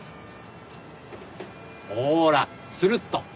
ほらスルッと。